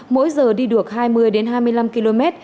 mỗi giờ đi được hai mươi hai mươi năm km